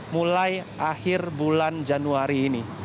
mulai akhir bulan januari ini